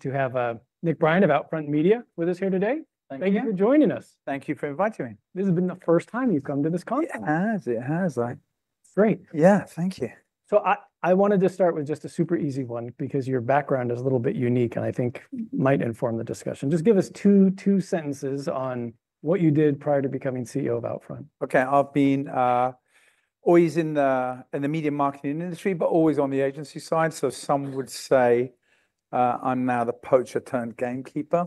To have Nick Brien of OUTFRONT Media with us here today. Thank you. Thank you for joining us. Thank you for inviting me. This has been the first time you've come to this conference. It has. Great. Yeah, thank you. I wanted to start with just a super easy one because your background is a little bit unique and I think might inform the discussion. Just give us two sentences on what you did prior to becoming CEO of OUTFRONT. Okay, I've been always in the media marketing industry, but always on the agency side. Some would say I'm now the poacher turned gamekeeper.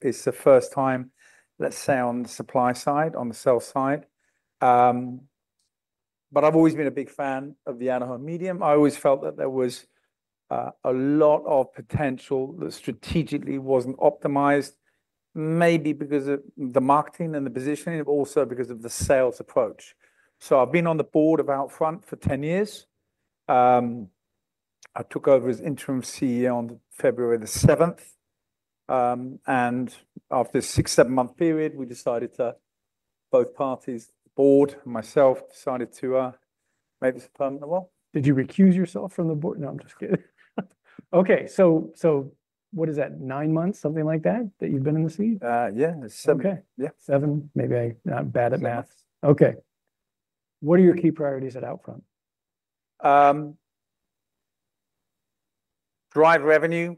It's the first time, let's say, on the supply side, on the sell side. I've always been a big fan of the out-of-home medium. I always felt that there was a lot of potential that strategically wasn't optimized, maybe because of the marketing and the positioning, but also because of the sales approach. I've been on the board of OUTFRONT for 10 years. I took over as interim CEO on February 7th. After a six or seven-month period, both parties, the board and myself, decided to make this a permanent role. Did you recuse yourself from the board? No, I'm just kidding. Okay, so what is that, nine months, something like that, that you've been in the seat? Yeah, it's 7. Okay, seven. Maybe I'm bad at math. What are your key priorities at OUTFRONT? Drive revenue,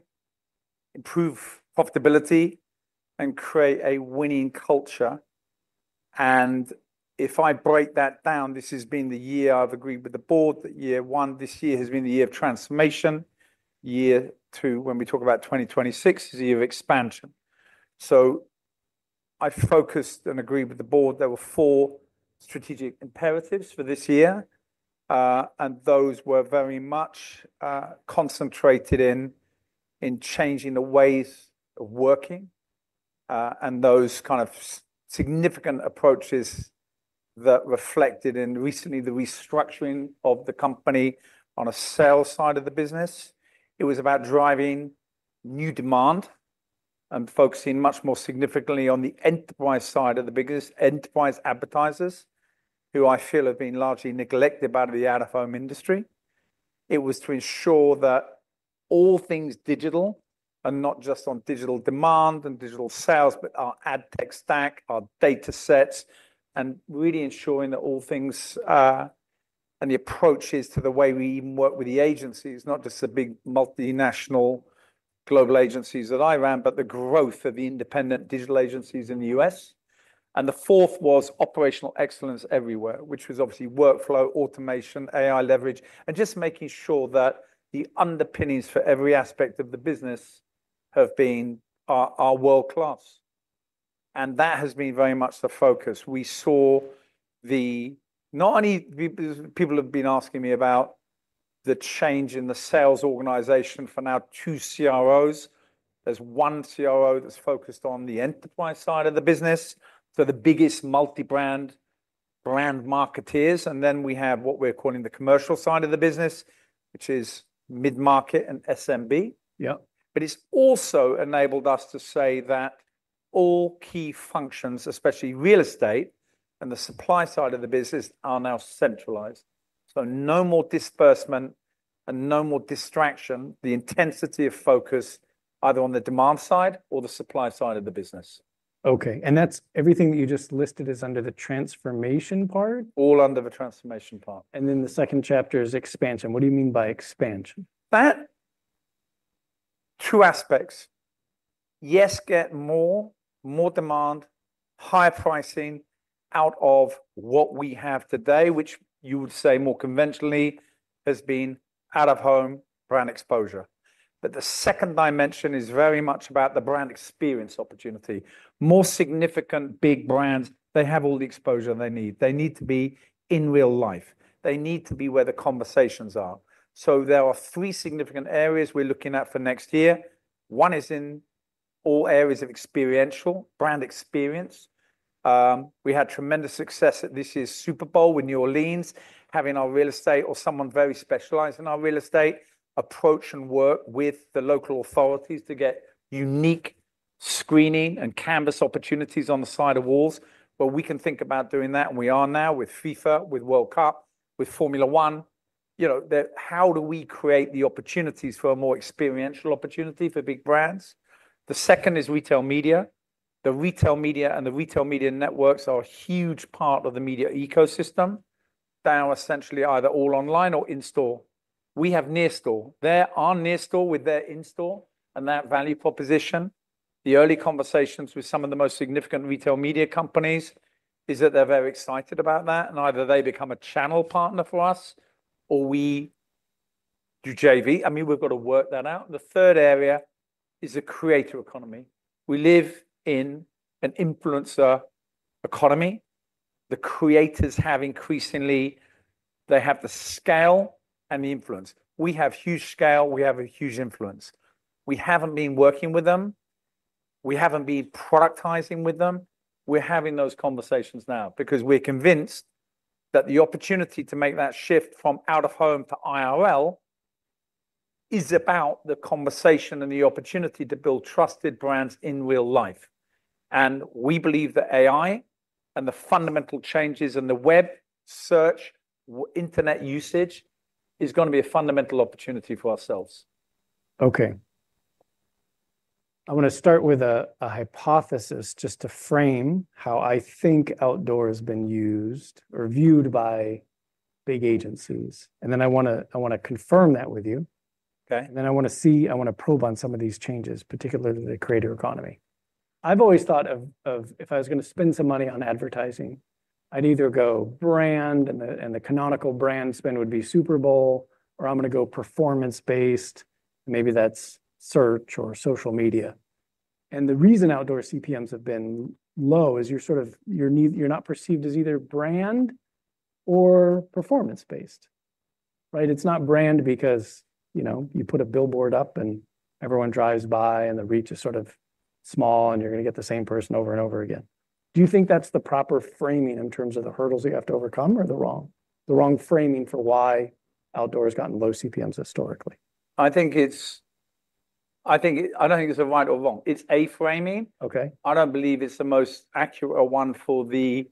improve profitability, and create a winning culture. If I break that down, this has been the year I've agreed with the board, the year one, this year has been the year of transformation. Year two, when we talk about 2026, is the year of expansion. I focused and agreed with the board, there were four strategic imperatives for this year. Those were very much concentrated in changing the ways of working. Those kind of significant approaches reflected in recently the restructuring of the company on a sales side of the business. It was about driving new demand and focusing much more significantly on the enterprise side of the business, enterprise advertisers, who I feel have been largely neglected by the out-of-home industry. It was to ensure that all things digital, and not just on digital demand and digital sales, but our ad tech stack, our data sets, and really ensuring that all things and the approaches to the way we even work with the agencies, not just the big multinational global agencies that I ran, but the growth of the independent digital agencies in the U.S. The fourth was operational excellence everywhere, which was obviously workflow, automation, AI leverage, and just making sure that the underpinnings for every aspect of the business have been world-class. That has been very much the focus. We saw the, not only people have been asking me about the change in the sales organization for now two CROs. There's one CRO that's focused on the enterprise side of the business, so the biggest multi-brand brand marketeers. We have what we're calling the commercial side of the business, which is mid-market and SMB. Yep. It has also enabled us to say that all key functions, especially real estate and the supply side of the business, are now centralized. No more disbursement and no more distraction, the intensity of focus either on the demand side or the supply side of the business. Okay, and that's everything that you just listed is under the transformation part? All under the transformation part. The second chapter is expansion. What do you mean by expansion? Two aspects. Yes, get more, more demand, higher pricing out of what we have today, which you would say more conventionally has been out-of-home brand exposure. The second dimension is very much about the brand experience opportunity. More significant big brands, they have all the exposure they need. They need to be in real life. They need to be where the conversations are. There are three significant areas we're looking at for next year. One is in all areas of experiential brand experience. We had tremendous success at this year's Super Bowl with New Orleans, having our real estate or someone very specialized in our real estate approach and work with the local authorities to get unique screening and canvas opportunities on the side of walls, where we can think about doing that. We are now with FIFA World Cup, with Formula One. How do we create the opportunities for a more experiential opportunity for big brands? The second is retail media. The retail media and the retail media networks are a huge part of the media ecosystem. They are essentially either all online or in-store. We have near-store. They are near-store with their in-store and that value proposition. The early conversations with some of the most significant retail media companies is that they're very excited about that. Either they become a channel partner for us or we do JV. We've got to work that out. The third area is a creator economy. We live in an influencer economy. The creators have increasingly, they have the scale and the influence. We have huge scale. We have a huge influence. We haven't been working with them. We haven't been productizing with them. We're having those conversations now because we're convinced that the opportunity to make that shift from out-of-home to IRL is about the conversation and the opportunity to build trusted brands in real life. We believe that AI and the fundamental changes in the web search, internet usage is going to be a fundamental opportunity for ourselves. Okay, I want to start with a hypothesis just to frame how I think outdoor has been used or viewed by big agencies. I want to confirm that with you. Okay. I want to see, I want to probe on some of these changes, particularly the creator economy. I've always thought if I was going to spend some money on advertising, I'd either go brand and the canonical brand spend would be Super Bowl, or I'm going to go performance-based, maybe that's search or social media. The reason outdoor CPMs have been low is you're not perceived as either brand or performance-based, right? It's not brand because, you know, you put a billboard up and everyone drives by and the reach is sort of small and you're going to get the same person over and over again. Do you think that's the proper framing in terms of the hurdles that you have to overcome or the wrong framing for why outdoor has gotten low CPMs historically? I don't think it's the right or wrong. It's a framing. Okay. I don't believe it's the most accurate one for the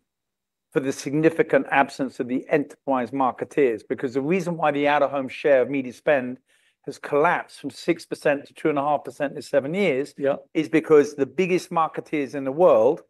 significant absence of the enterprise marketeers, because the reason why the out-of-home share of media spend has collapsed from 6% to 2.5% in seven years is because the biggest marketeers in the world,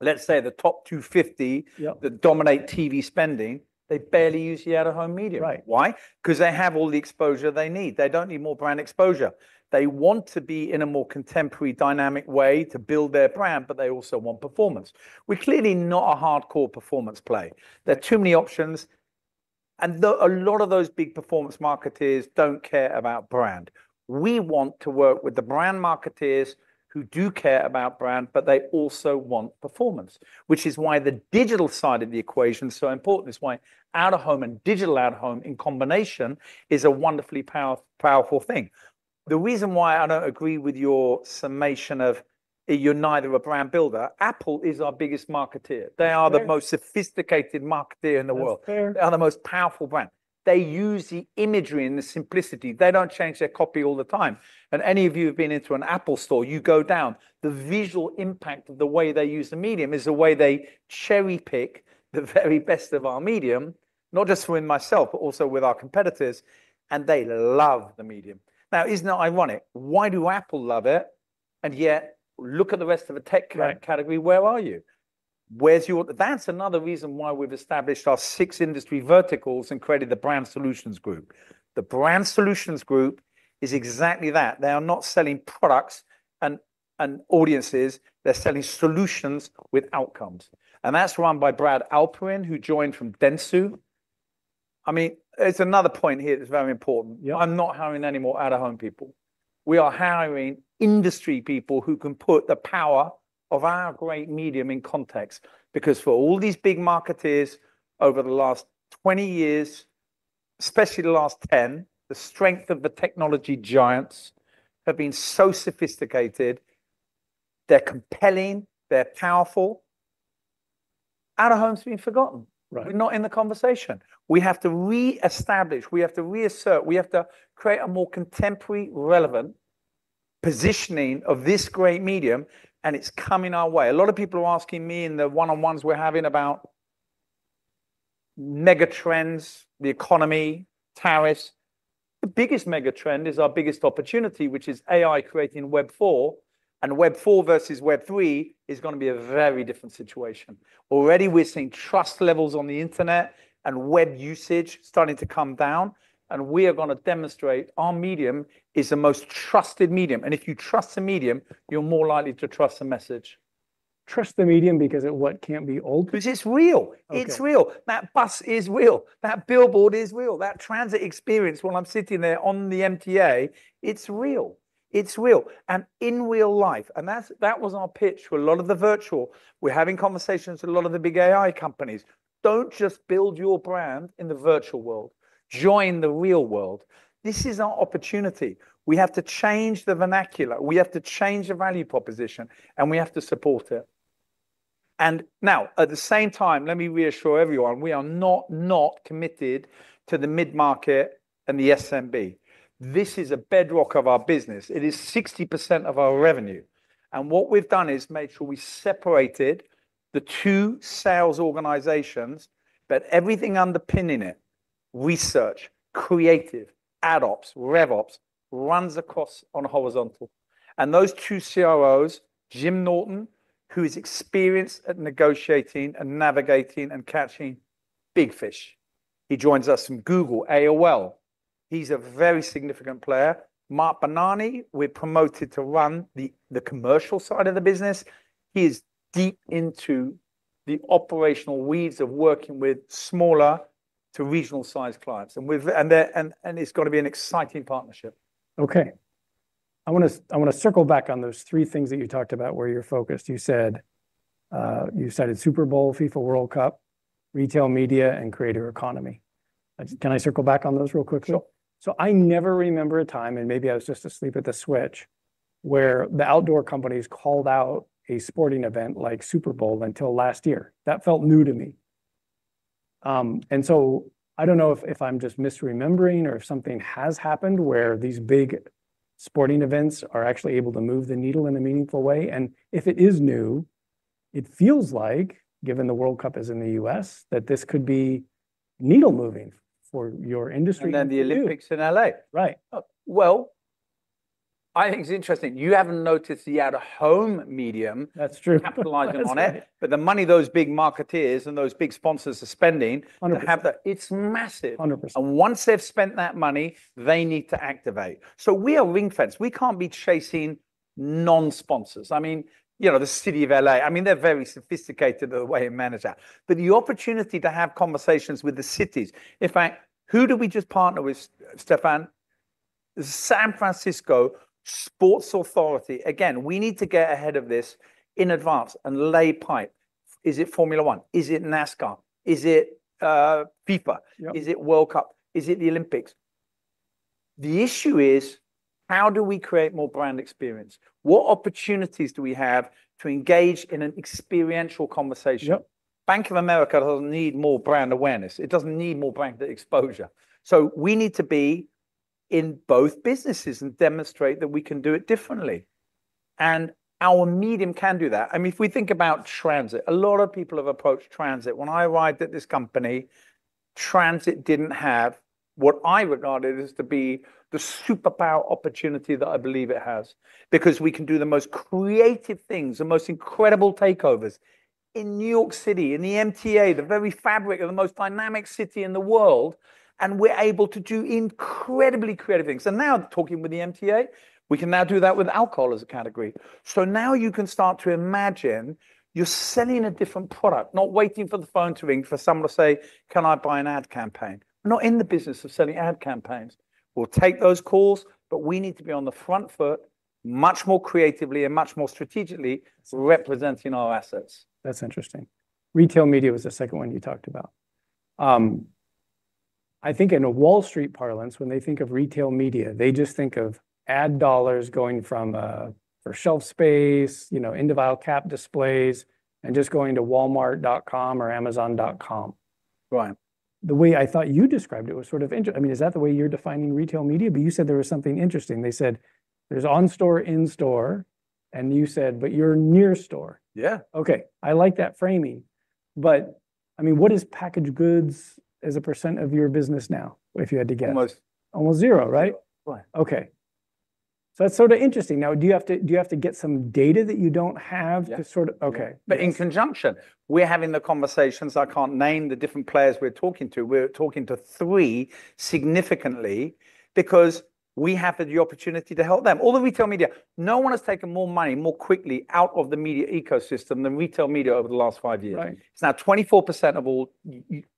let's say the top 250, that dominate TV spending, they barely use the out-of-home media. Why? Because they have all the exposure they need. They don't need more brand exposure. They want to be in a more contemporary, dynamic way to build their brand, but they also want performance. We're clearly not a hardcore performance play. There are too many options. A lot of those big performance marketeers don't care about brand. We want to work with the brand marketeers who do care about brand, but they also want performance, which is why the digital side of the equation is so important. It's why out-of-home and digital out-of-home in combination is a wonderfully powerful thing. The reason why I don't agree with your summation of you're neither a brand builder. Apple is our biggest marketeer. They are the most sophisticated marketeer in the world. They are the most powerful brand. They use the imagery and the simplicity. They don't change their copy all the time. Any of you who've been into an Apple store, you go down. The visual impact of the way they use the medium is the way they cherry-pick the very best of our medium, not just for myself, but also with our competitors. They love the medium. Now, isn't it ironic? Why do Apple love it? Yet, look at the rest of the tech category. Where are you? Where's your... That's another reason why we've established our six industry verticals and created the Brand Solutions Group. The Brand Solutions Group is exactly that. They are not selling products and audiences. They're selling solutions with outcomes. That's run by Brad Alperin, who joined from Dentsu. It's another point here that's very important. I'm not hiring any more out-of-home people. We are hiring industry people who can put the power of our great medium in context. For all these big marketeers over the last 20 years, especially the last 10, the strength of the technology giants have been so sophisticated. They're compelling. They're powerful. Out-of-home's been forgotten. Right. Not in the conversation. We have to reestablish. We have to reassert. We have to create a more contemporary, relevant positioning of this great medium. It's coming our way. A lot of people are asking me in the one-on-ones we're having about mega trends, the economy, tariffs. The biggest mega trend is our biggest opportunity, which is AI creating Web4. Web4 versus Web3 is going to be a very different situation. Already, we're seeing trust levels on the internet and web usage starting to come down. We are going to demonstrate our medium is the most trusted medium. If you trust a medium, you're more likely to trust a message. Trust the medium because it can't be old. Because it's real. It's real. That bus is real. That billboard is real. That transit experience while I'm sitting there on the MTA, it's real. It's real and in real life. That was our pitch for a lot of the virtual. We're having conversations with a lot of the big AI companies. Don't just build your brand in the virtual world. Join the real world. This is our opportunity. We have to change the vernacular. We have to change the value proposition. We have to support it. At the same time, let me reassure everyone, we are not not committed to the mid-market and the SMB. This is a bedrock of our business. It is 60% of our revenue. What we've done is made sure we separated the two sales organizations, but everything underpinning it, research, creative, ad ops, rev ops, runs across on a horizontal. Those two CROs, Jim Norton, who is experienced at negotiating and navigating and catching big fish, joins us from Google, AOL. He's a very significant player. Mark Bonanni, we're promoted to run the commercial side of the business. He is deep into the operational weeds of working with smaller to regional size clients. It's going to be an exciting partnership. Okay. I want to circle back on those three things that you talked about where you're focused. You said it's Super Bowl, FIFA World Cup, retail media, and creator economy. Can I circle back on those real quickly? I never remember a time, and maybe I was just asleep at the switch, where the outdoor companies called out a sporting event like Super Bowl until last year. That felt new to me. I don't know if I'm just misremembering or if something has happened where these big sporting events are actually able to move the needle in a meaningful way. If it is new, it feels like, given the World Cup is in the U.S., that this could be needle moving for your industry. The Olympics in LA. Right. I think it's interesting. You haven't noticed the out-of-home medium. That's true. Capitalizing on it. The money those big marketers and those big sponsors are spending on it is massive. Once they've spent that money, they need to activate. We are wing fence. We can't be chasing non-sponsors. The city of LA is very sophisticated in the way they manage that. The opportunity to have conversations with the cities is important. In fact, who did we just partner with, Stephan? The San Francisco Sports Authority. We need to get ahead of this in advance and lay pipe. Is it Formula One? Is it NASCAR? Is it FIFA World Cup? Is it the Olympics? The issue is, how do we create more brand experience? What opportunities do we have to engage in an experiential conversation? Bank of America doesn't need more brand awareness. It doesn't need more brand exposure. We need to be in both businesses and demonstrate that we can do it differently. Our medium can do that. If we think about transit, a lot of people have approached transit. When I arrived at this company, transit didn't have what I regarded as the superpower opportunity that I believe it has. We can do the most creative things, the most incredible takeovers in New York, in the MTA, the very fabric of the most dynamic city in the world. We're able to do incredibly creative things. Now, talking with the MTA, we can now do that with alcohol as a category. Now you can start to imagine you're selling a different product, not waiting for the phone to ring for someone to say, can I buy an ad campaign? We're not in the business of selling ad campaigns. We'll take those calls, but we need to be on the front foot much more creatively and much more strategically representing our assets. That's interesting. Retail media was the second one you talked about. I think in a Wall Street parlance, when they think of retail media, they just think of ad dollars going from a shelf space, you know, individual cap displays, and just going to Walmart.com or Amazon.com. Right. The way I thought you described it was sort of interesting. Is that the way you're defining retail media? You said there was something interesting. They said there's on-store, in-store, and you said you're near-store. Yeah. Okay, I like that framing. What is packaged goods as a percent of your business now, if you had to guess? Almost. Almost zero, right? Right. Okay, that's sort of interesting. Do you have to get some data that you don't have? In conjunction, we're having the conversations. I can't name the different players we're talking to. We're talking to three significantly because we have the opportunity to help them. All the retail media, no one has taken more money more quickly out of the media ecosystem than retail media over the last five years. It's now 24% of all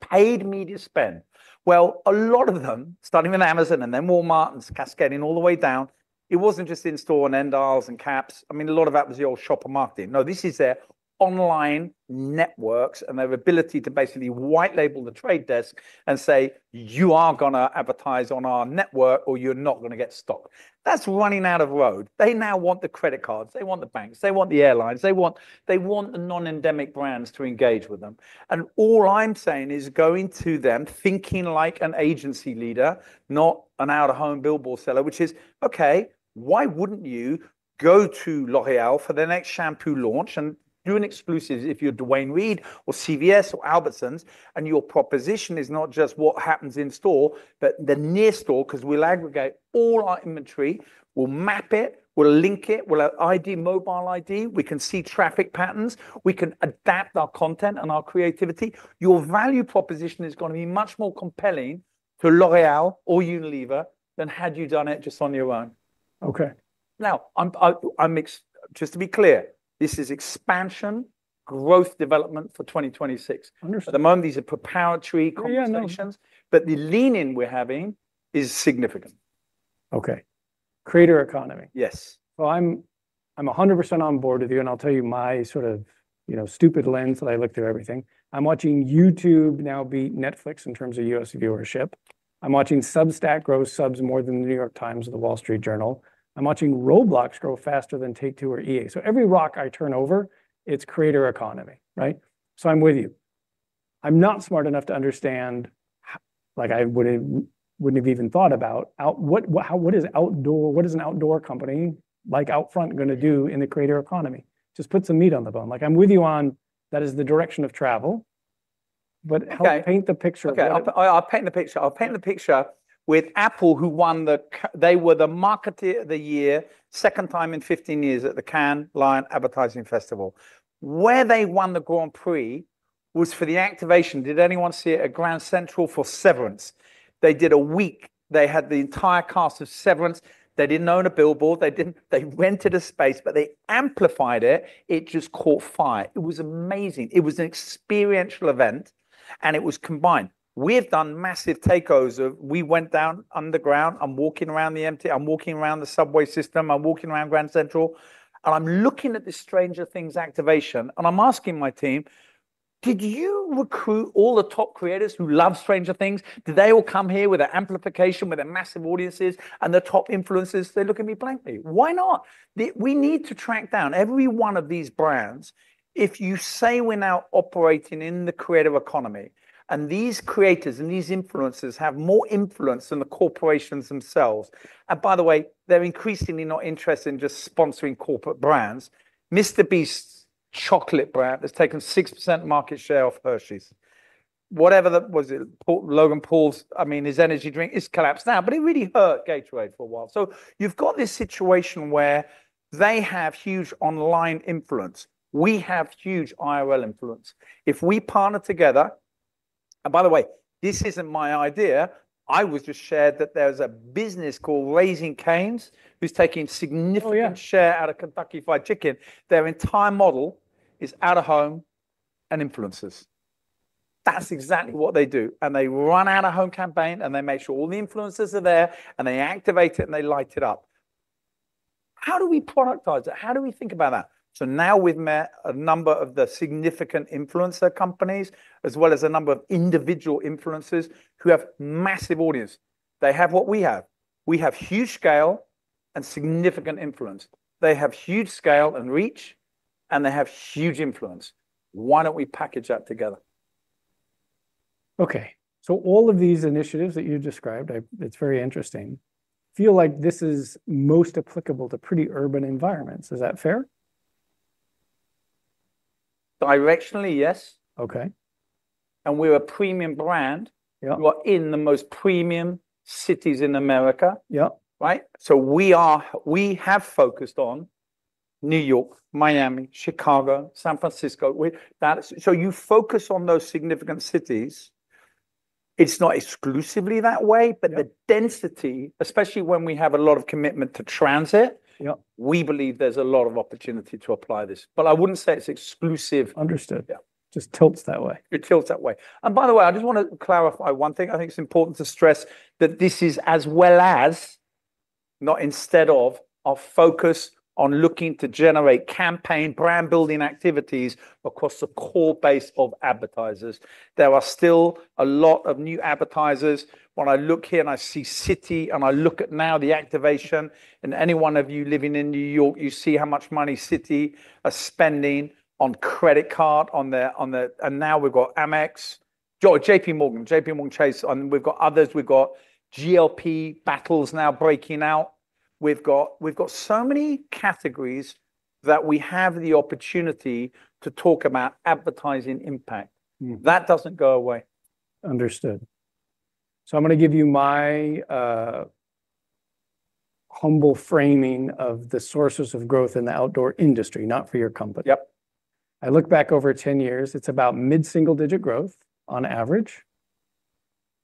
paid media spend. A lot of them, starting with Amazon and then Walmart and cascading all the way down, it wasn't just in-store and end aisles and caps. A lot of that was your shopper marketing. This is their online networks and their ability to basically white label the trade desk and say, you are going to advertise on our network or you're not going to get stopped. That's running out of road. They now want the credit cards. They want the banks. They want the airlines. They want the non-endemic brands to engage with them. All I'm saying is going to them thinking like an agency leader, not an out-of-home billboard seller, which is, okay, why wouldn't you go to L'Oréal for their next shampoo launch and do an exclusive if you're Duane Reade or CVS or Albertsons, and your proposition is not just what happens in-store, but the near-store, because we'll aggregate all our inventory, we'll map it, we'll link it, we'll have ID, mobile ID, we can see traffic patterns, we can adapt our content and our creativity. Your value proposition is going to be much more compelling to L'Oréal or Unilever than had you done it just on your own. Okay. Now, I'm mixed. Just to be clear, this is expansion, growth, development for 2026. Understood. At the moment, these are preparatory conversations, but the leaning we're having is significant. Okay. Creator economy. Yes. I'm 100% on board with you, and I'll tell you my sort of, you know, stupid lens that I look through everything. I'm watching YouTube now beat Netflix in terms of U.S. viewership. I'm watching Substack grow subs more than The New York Times or The Wall Street Journal. I'm watching Roblox grow faster than Take-Two or EA. Every rock I turn over, it's creator economy, right? I'm with you. I'm not smart enough to understand how, like I wouldn't have even thought about what is outdoor, what is an outdoor company like OUTFRONT going to do in the creator economy. Just put some meat on the bone. I'm with you on that is the direction of travel. Help paint the picture of it. I'll paint the picture. I'll paint the picture with Apple, who won the, they were the marketer of the year, second time in 15 years at the Cannes Lion Advertising Festival. Where they won the Grand Prix was for the activation. Did anyone see it? At Grand Central for Severance. They did a week. They had the entire cast of Severance. They didn't own a billboard. They didn't, they rented a space, but they amplified it. It just caught fire. It was amazing. It was an experiential event, and it was combined. We've done massive takeovers of, we went down underground. I'm walking around the MTA, I'm walking around the subway system, I'm walking around Grand Central, and I'm looking at this Stranger Things activation, and I'm asking my team, did you recruit all the top creators who love Stranger Things? Did they all come here with an amplification, with massive audiences, and the top influencers? They look at me blankly. Why not? We need to track down every one of these brands. If you say we're now operating in the creator economy, and these creators and these influencers have more influence than the corporations themselves, and by the way, they're increasingly not interested in just sponsoring corporate brands. Mr. Beast's chocolate brand has taken 6% market share off Hershey's. Whatever that was, it was Logan Paul's, I mean, his energy drink is collapsed now, but it really hurt Gatorade for a while. You've got this situation where they have huge online influence. We have huge IRL influence. If we partner together, and by the way, this isn't my idea, I was just shared that there's a business called Raising Cane's who's taking significant share out of Kentucky Fried Chicken. Their entire model is out-of-home and influencers. That's exactly what they do. They run out-of-home campaign, and they make sure all the influencers are there, and they activate it, and they light it up. How do we productize it? How do we think about that? Now we've met a number of the significant influencer companies, as well as a number of individual influencers who have massive audience. They have what we have. We have huge scale and significant influence. They have huge scale and reach, and they have huge influence. Why don't we package that together? Okay, so all of these initiatives that you described, it's very interesting, feel like this is most applicable to pretty urban environments. Is that fair? Directionally, yes. Okay. We're a premium brand. We're in the most premium cities in America. Yep. We have focused on New York, Miami, Chicago, San Francisco. You focus on those significant cities. It's not exclusively that way, but the density, especially when we have a lot of commitment to transit, we believe there's a lot of opportunity to apply this. I wouldn't say it's exclusive. Understood. Yeah. Just tilts that way. It tilts that way. By the way, I just want to clarify one thing. I think it's important to stress that this is as well as, not instead of, our focus on looking to generate campaign brand building activities across the core base of advertisers. There are still a lot of new advertisers. When I look here and I see Citi, and I look at now the activation, and any one of you living in New York, you see how much money Citi is spending on credit card on their, and now we've got Amex, JP Morgan, JP Morgan Chase, and we've got others. We've got GLP battles now breaking out. We've got so many categories that we have the opportunity to talk about advertising impact. That doesn't go away. Understood. I'm going to give you my humble framing of the sources of growth in the outdoor industry, not for your company. Yep. I look back over 10 years, it's about mid-single-digit growth on average.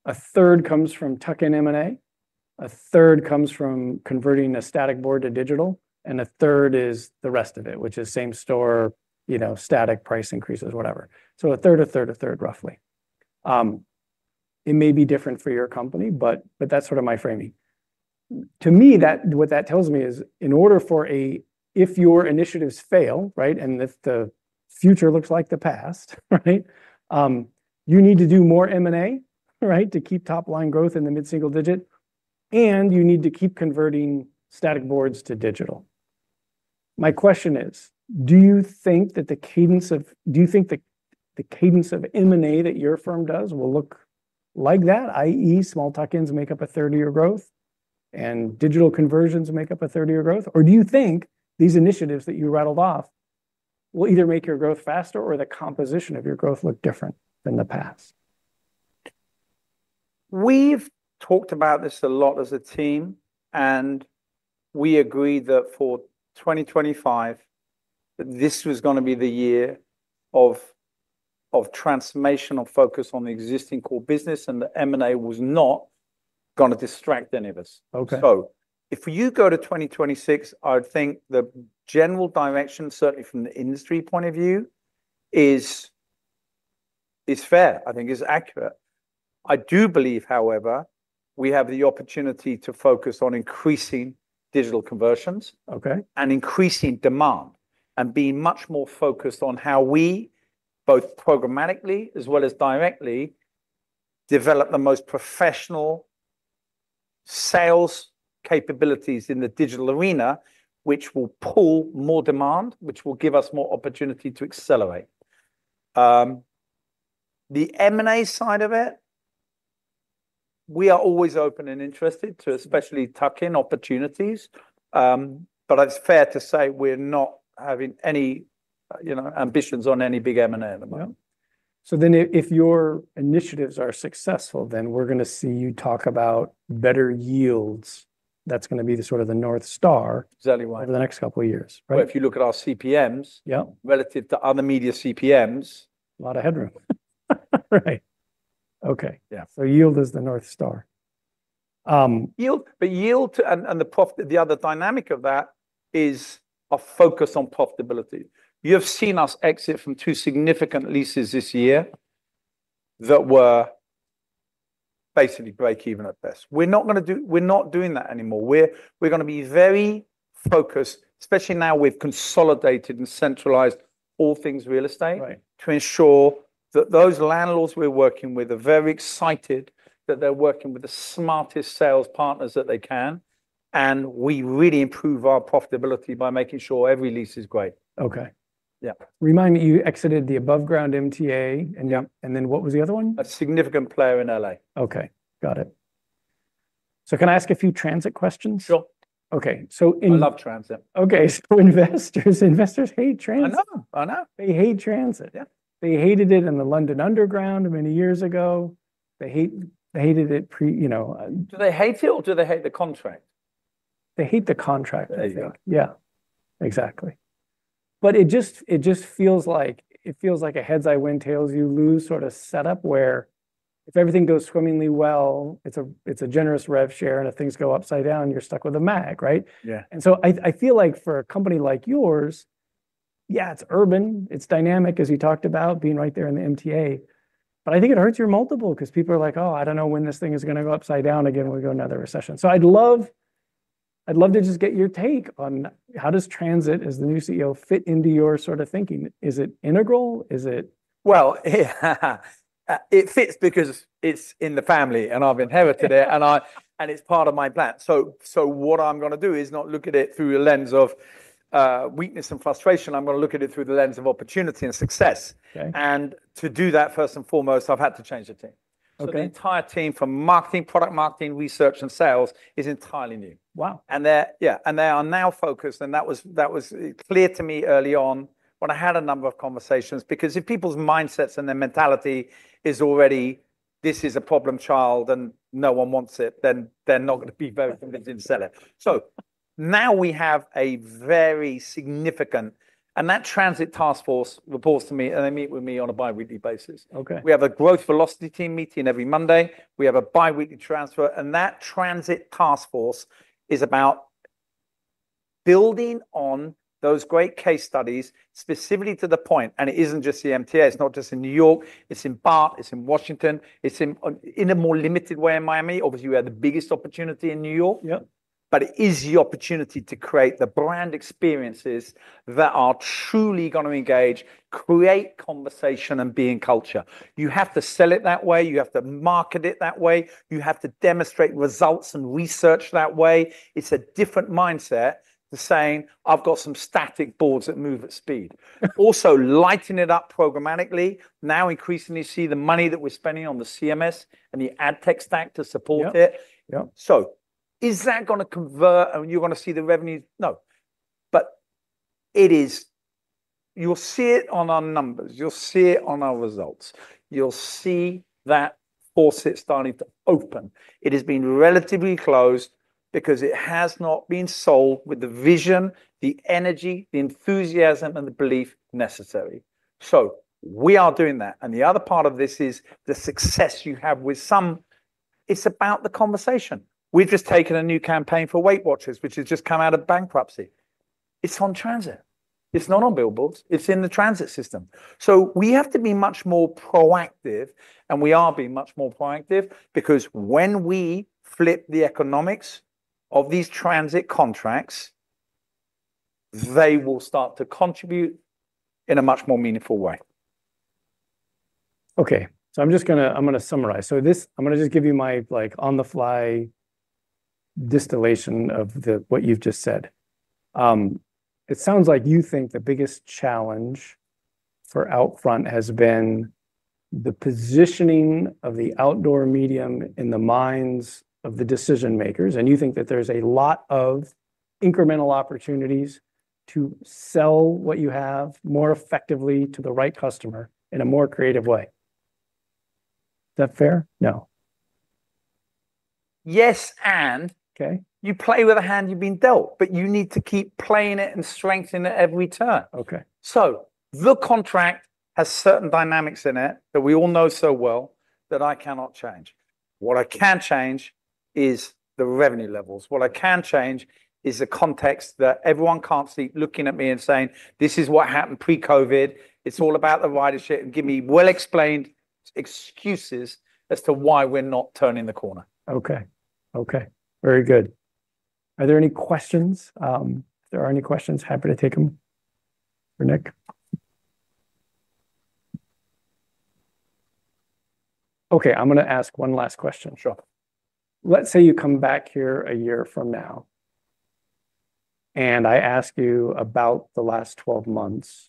A third comes from tuck-in M&A, a third comes from converting a static board to digital, and a third is the rest of it, which is same store, you know, static price increases, whatever. A third, a third, a third, roughly. It may be different for your company, but that's sort of my framing. To me, what that tells me is in order for a, if your initiatives fail, right, and if the future looks like the past, you need to do more M&A to keep top-line growth in the mid-single digit, and you need to keep converting static boards to digital. My question is, do you think that the cadence of, do you think the cadence of M&A that your firm does will look like that, i.e., small tuck-ins make up a 30% growth and digital conversions make up a 30% growth, or do you think these initiatives that you rattled off will either make your growth faster or the composition of your growth look different than the past? We've talked about this a lot as a team, and we agreed that for 2025, this was going to be the year of transformational focus on the existing core business, and the M&A was not going to distract any of us. Okay. If you go to 2026, I would think the general direction, certainly from the industry point of view, is fair. I think it's accurate. I do believe, however, we have the opportunity to focus on increasing digital conversions. Okay. Increasing demand and being much more focused on how we both programmatically as well as directly develop the most professional sales capabilities in the digital arena, which will pull more demand, which will give us more opportunity to accelerate. The M&A side of it, we are always open and interested to especially tuck-in opportunities. It is fair to say we're not having any ambitions on any big M&A at the moment. If your initiatives are successful, then we're going to see you talk about better yields. That's going to be the sort of the North Star. Exactly right. In the next couple of years. If you look at our CPMs, relative to other media CPMs. A lot of headroom. Right. Okay. Yeah. Yield is the North Star. Yield, but yield and the profit, the other dynamic of that is a focus on profitability. You've seen us exit from two significant leases this year that were basically break-even at best. We're not going to do, we're not doing that anymore. We're going to be very focused, especially now we've consolidated and centralized all things real estate to ensure that those landlords we're working with are very excited that they're working with the smartest sales partners that they can. We really improve our profitability by making sure every lease is great. Okay. Yeah. Remind me, you exited the above-ground MTA, and then what was the other one? A significant player in Los Angeles. Okay, got it. Can I ask a few transit questions? Sure. Okay. I love transit. Okay, investors hate transit. I know, I know. They hate transit. Yeah. They hated it in the London Underground many years ago. They hated it pre, you know. Do they hate it, or do they hate the contract? They hate the contract. There you go. Exactly. It just feels like a heads I win, tails you lose sort of setup where if everything goes swimmingly well, it's a generous rev share, and if things go upside down, you're stuck with a mag, right? Yeah. I feel like for a company like yours, yeah, it's urban, it's dynamic as you talked about being right there in the MTA. I think it hurts your multiple because people are like, oh, I don't know when this thing is going to go upside down again when we go into another recession. I'd love to just get your take on how does transit as the new CEO fit into your sort of thinking. Is it integral? Is it? It fits because it's in the family and I've inherited it and it's part of my plan. What I'm going to do is not look at it through a lens of weakness and frustration. I'm going to look at it through the lens of opportunity and success. Okay. To do that, first and foremost, I've had to change the team. The entire team from marketing, product marketing, research, and sales is entirely new. Wow. They are now focused. That was clear to me early on when I had a number of conversations because if people's mindsets and their mentality is already, this is a problem child and no one wants it, then they're not going to be very convinced to sell it. Now we have a very significant, and that transit task force reports to me and they meet with me on a bi-weekly basis. Okay. We have a growth velocity team meeting every Monday. We have a bi-weekly transfer, and that transit task force is about building on those great case studies specifically to the point. It isn't just the MTA. It's not just in New York. It's in Boston. It's in Washington. It's in a more limited way in Miami. Obviously, we have the biggest opportunity in New York. Yep. It is the opportunity to create the brand experiences that are truly going to engage, create conversation, and be in culture. You have to sell it that way. You have to market it that way. You have to demonstrate results and research that way. It's a different mindset than saying, I've got some static boards that move at speed. Also, lighting it up programmatically. Now increasingly see the money that we're spending on the CMS and the ad tech stack to support it. Yeah. Is that going to convert? Are you going to see the revenue? No, but you'll see it on our numbers. You'll see it on our results. You'll see that force is starting to open. It has been relatively closed because it has not been sold with the vision, the energy, the enthusiasm, and the belief necessary. We are doing that. The other part of this is the success you have with some, it's about the conversation. We've just taken a new campaign for Weight Watchers, which has just come out of bankruptcy. It's on transit. It's not on billboards. It's in the transit system. We have to be much more proactive, and we are being much more proactive because when we flip the economics of these transit contracts, they will start to contribute in a much more meaningful way. Okay, I'm going to summarize. I'm going to just give you my on-the-fly distillation of what you've just said. It sounds like you think the biggest challenge for OUTFRONT has been the positioning of the outdoor medium in the minds of the decision makers. You think that there's a lot of incremental opportunities to sell what you have more effectively to the right customer in a more creative way. Is that fair? No. Yes, you play with the hand you've been dealt, but you need to keep playing it and strengthening it every turn. Okay. The contract has certain dynamics in it that we all know so well that I cannot change. What I can change is the revenue levels. What I can change is the context that everyone can't see looking at me and saying, this is what happened pre-COVID. It's all about the ridership and give me well-explained excuses as to why we're not turning the corner. Okay. Okay. Very good. Are there any questions? If there are any questions, happy to take them for Nick. Okay, I'm going to ask one last question. Sure. Let's say you come back here a year from now and I ask you about the last 12 months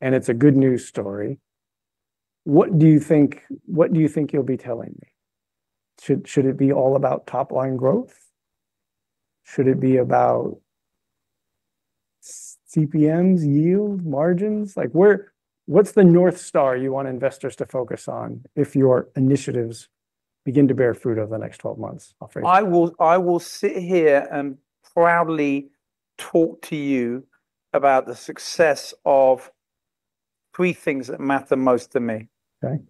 and it's a good news story. What do you think you'll be telling me? Should it be all about top-line growth? Should it be about CPMs, yield, margins? What's the North Star you want investors to focus on if your initiatives begin to bear fruit over the next 12 months? I will sit here and proudly talk to you about the success of three things that matter most to me. Okay.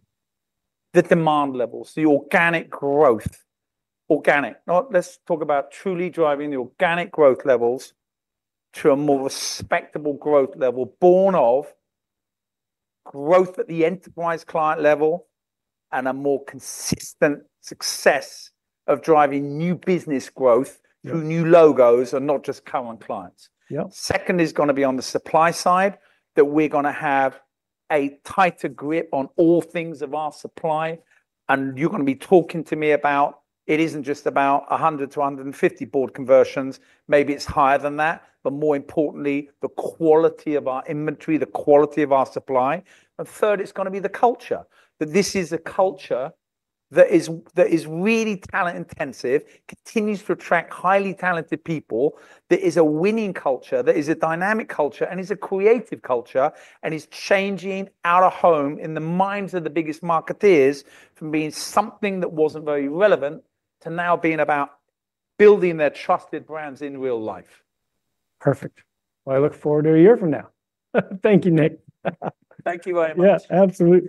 The demand levels, the organic growth, not let's talk about truly driving the organic growth levels to a more respectable growth level born of growth at the enterprise client level and a more consistent success of driving new business growth through new logos and not just current clients. Yeah. Second is going to be on the supply side, that we're going to have a tighter grip on all things of our supply. You're going to be talking to me about it isn't just about 100 to 150 board conversions, maybe it's higher than that, but more importantly, the quality of our inventory, the quality of our supply. Third, it's going to be the culture, that this is a culture that is really talent intensive, continues to attract highly talented people, that is a winning culture, that is a dynamic culture, and is a creative culture, and is changing out-of-home in the minds of the biggest marketeers from being something that wasn't very relevant to now being about building their trusted brands in real life. Perfect. I look forward to a year from now. Thank you, Nick. Thank you very much. Yeah, absolutely.